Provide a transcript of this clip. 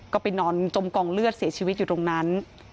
ก็ไปนอนจมกองเลือดเสียชีวิตอยู่ตรงนั้น